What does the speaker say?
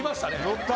乗った！